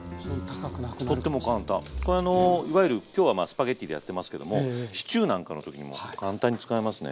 これあのいわゆる今日はスパゲッティでやってますけどもシチューなんかの時にも簡単に使えますね